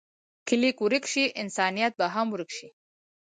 که لیک ورک شي، انسانیت به هم ورک شي.